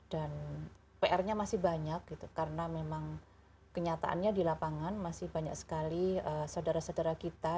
dan pr nya masih banyak karena memang kenyataannya di lapangan masih banyak sekali saudara saudara kita